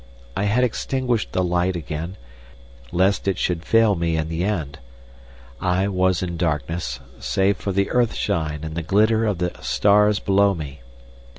I had extinguished the light again, lest it should fail me in the end; I was in darkness, save for the earthshine and the glitter of the stars below me.